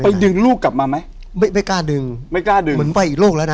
ดึงลูกกลับมาไหมไม่ไม่กล้าดึงไม่กล้าดึงเหมือนไปอีกโลกแล้วนะ